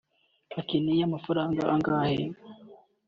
ukeneye amafaranga angahe